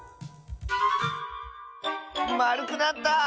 まるくなった！